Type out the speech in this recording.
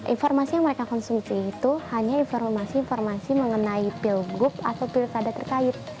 informasi yang mereka konsumsi itu hanya informasi informasi mengenai pilgub atau pilkada terkait